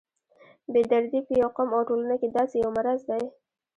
بې دردي په یو قوم او ټولنه کې داسې یو مرض دی.